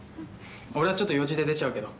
俺はちょっと用事で出ちゃうけど。